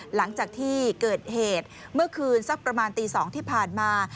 หลังจากที่เกิดเหตุเมื่อคืนสักประมาณตี๒ที่ผ่านมา